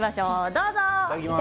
どうぞ。